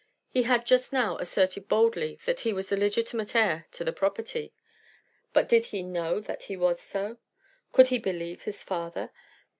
He had just now asserted boldly that he was the legitimate heir to the property; but did he know that he was so? Could he believe his father?